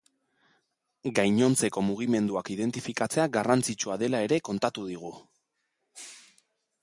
Gainontzeko mugimenduak identifikatzea garrantzitsua dela ere kontatu digu.